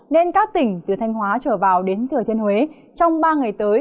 nên các tỉnh từ thanh hóa trở vào đến thừa thiên huế trong ba ngày tới